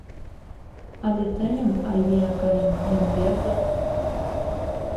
Але тыйым, Айвий акайым, Ямбердым...